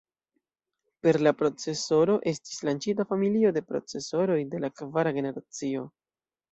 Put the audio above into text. Per la procesoro estis lanĉita familio de procesoroj de la kvara generacio.